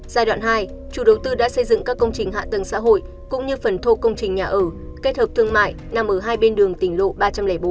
giai đoạn hai chủ đầu tư đã xây dựng các công trình hạ tầng xã hội cũng như phần thô công trình nhà ở kết hợp thương mại nằm ở hai bên đường tỉnh lộ ba trăm linh bốn